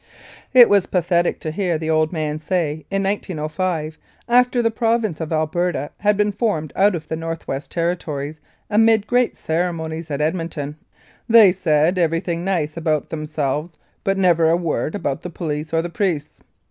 It was pathetic to hear the old man say in 1905, after the Province of Alberta had been formed out of the North West Territories, amid great ceremonies at Edmonton, "They said everything nice about them selves, but never a word about the police or the priests."